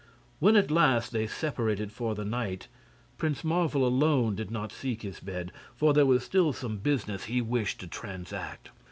When at last they separated for the night, Prince Marvel alone did not seek his bed; there was still some business he wished to transact.